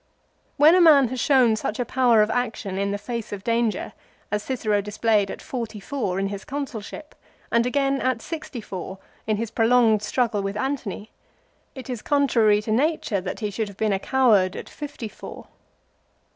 When a man has shown such a power of action in the face of danger as Cicero displayed at forty four in his Consulship, and again at sixty four in his prolonged struggle with Antony, it is contrary to nature that he should have been a coward at fifty four.